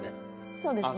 そうですね。